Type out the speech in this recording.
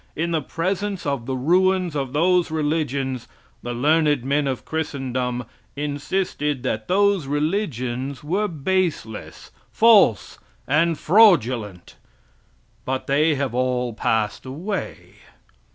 In the presence of the ruins of those religions, the learned men of Christendom insisted that those religions were baseless, false and fraudulent. But they have all passed away.